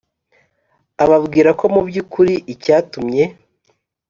ababwira ko mubyukuri icyatumye